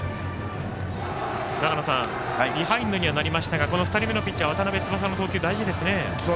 ビハインドにはなりましたが２人目のピッチャー渡邉翼の投球大事です。